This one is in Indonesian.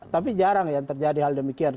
tapi jarang yang terjadi hal demikian